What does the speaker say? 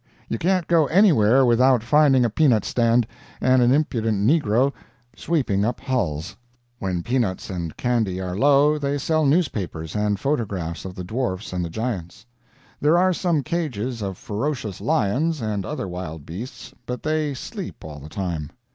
You can't go anywhere without finding a peanut stand, and an impudent negro sweeping up hulls. When peanuts and candy are slow, they sell newspapers and photographs of the dwarfs and the giants. There are some cages of ferocious lions, and other wild beasts, but they sleep all the time.